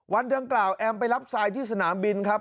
วันดังกล่าวแอมไปรับทรายที่สนามบินครับ